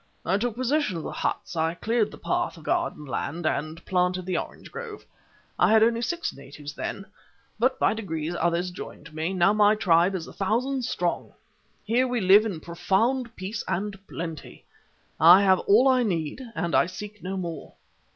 I took possession of the huts. I cleared the path of garden land and planted the orange grove. I had only six natives then, but by degrees others joined me, now my tribe is a thousand strong. Here we live in profound peace and plenty. I have all I need, and I seek no more.